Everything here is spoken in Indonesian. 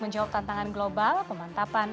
menjawab tantangan global pemantapan